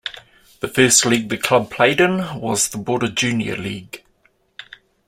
The first league the club played in was the Border Junior League.